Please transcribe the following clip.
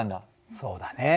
そうだね。